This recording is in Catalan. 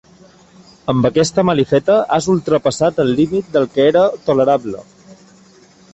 Amb aquesta malifeta has ultrapassat el límit del que era tolerable.